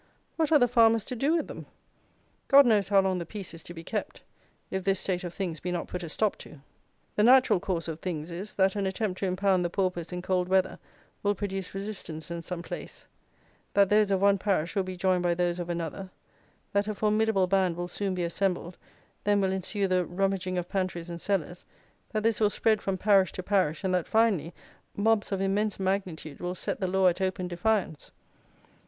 What are the farmers to do with them? God knows how long the peace is to be kept, if this state of things be not put a stop to. The natural course of things is, that an attempt to impound the paupers in cold weather will produce resistance in some place; that those of one parish will be joined by those of another; that a formidable band will soon be assembled; then will ensue the rummaging of pantries and cellars; that this will spread from parish to parish; and that, finally, mobs of immense magnitude will set the law at open defiance.